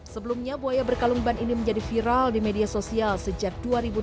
sebelumnya buaya berkalung ban ini menjadi viral di media sosial sejak dua ribu delapan belas